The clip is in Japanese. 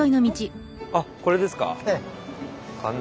あっこれですか？